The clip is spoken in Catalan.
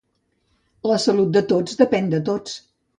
La salut de tots depèn de tots.